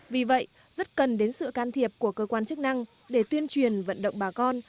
vì vậy rất cần đến sự can thiệp của cơ quan chức năng để tuyên truyền vận động bà con